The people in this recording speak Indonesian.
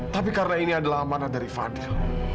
tapi karena ini adalah amanah dari fadil